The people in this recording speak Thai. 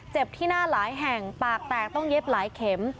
ที่หน้าหลายแห่งปากแตกต้องเย็บหลายเข็ม